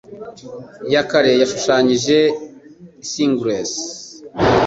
ya kera yashushanyije isinglass.